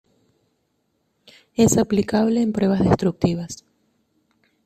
Es aplicable en pruebas destructivas.